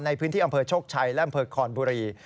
ในพื้นที่อำเภอโชคชัยและอำเภอคอนบุรี